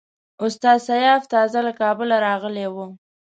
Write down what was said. استاد سیاف تازه له کابله راغلی وو.